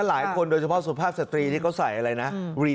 หลายคนโดยเฉพาะสุภาพสตรีที่เขาใส่อะไรนะ